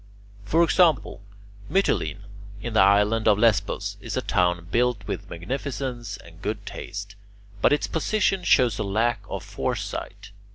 For example, Mytilene in the island of Lesbos is a town built with magnificence and good taste, but its position shows a lack of foresight.